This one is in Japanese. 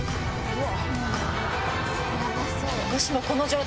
うわ！